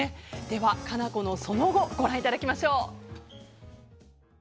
では加奈子のその後ご覧いただきましょう。